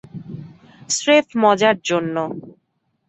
স্রেফ মজার জন্য।